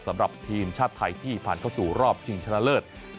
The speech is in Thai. สำหรับทีมชาติไทยที่ผ่านเข้าสู่รอบชิงชนะเลิศ